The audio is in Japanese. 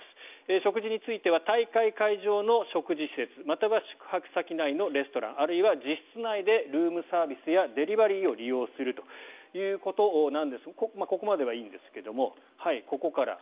食事については大会会場の食事施設または宿泊先内のレストランあるいは自室内でルームサービスやデリバリーを利用するということなんですがここまではいいんですけどもここから。